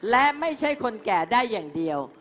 และไม่ใช่คนแก่ได้อย่างเดียว